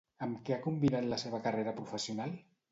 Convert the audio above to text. Amb què ha combinat la seva carrera professional?